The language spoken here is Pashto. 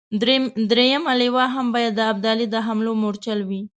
درېمه لواء هم باید د ابدالي د حملو مورچل وي.